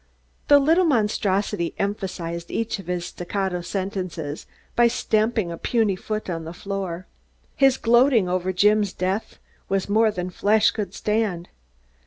The little monstrosity emphasized each of his staccato sentences by stamping a puny foot on the floor. His gloating over Jim's death was more than flesh could stand.